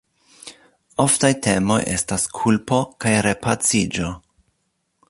Oftaj temoj estas kulpo kaj repaciĝo.